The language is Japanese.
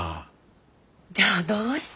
じゃあどうして。